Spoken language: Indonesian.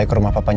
atuh biar kurang